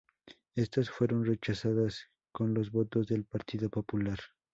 Estas fueron rechazadas con los votos del Partido Popular.